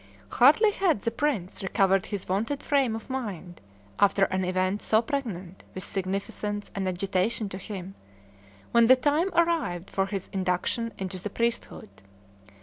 Hardly had the prince recovered his wonted frame of mind, after an event so pregnant with significance and agitation to him, when the time arrived for his induction into the priesthood.